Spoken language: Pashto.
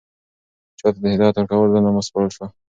چا ته د هدایت ورکولو دنده وسپارل شوه؟